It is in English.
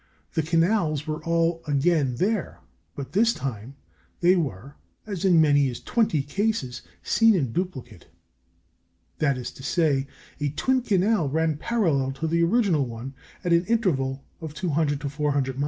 The canals were all again there, but this time they were in as many as twenty cases seen in duplicate. That is to say, a twin canal ran parallel to the original one at an interval of 200 to 400 miles.